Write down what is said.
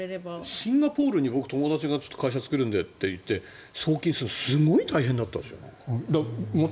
シンガポールに僕、友達が会社作るんでって言って送金する時すごい大変だったらしい。